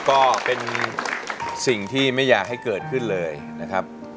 ก็เป็นสิ่งที่ไม่อยากให้เกิดขึ้นเลยนะครับ